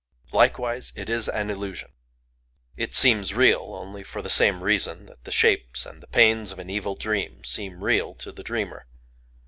Likewise it is an illusion. It seems real only for the same reason that the shapes and the pains of an evil dream seem real to the dreamer.